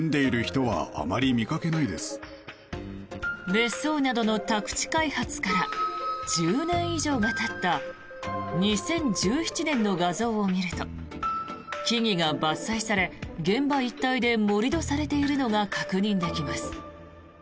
別荘などの宅地開発から１０年以上がたった２０１７年の画像を見ると木々が伐採され現場一帯で盛り土されているのが確認できます。